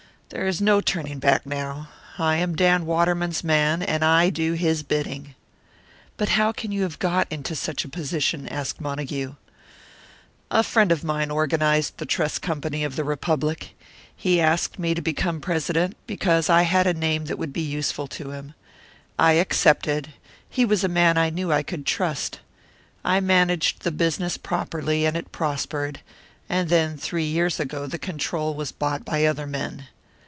There is no turning back now. I am Dan Waterman's man, and I do his bidding." "But how can you have got into such a position?" asked Montague. "A friend of mine organised the Trust Company of the Republic. He asked me to become president, because I had a name that would be useful to him. I accepted he was a man I knew I could trust. I managed the business properly, and it prospered; and then, three years ago, the control was bought by other men.